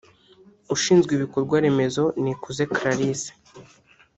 ushinzwe ibikorwaremezo na Nikuze Clarisse